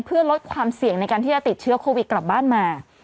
เพื่อลดความเสี่ยงในการที่จะติดเชื้อโควิดกลับบ้านมา